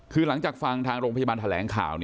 คือหลังจากฟังทางโรงพยาบาลแถลงข่าว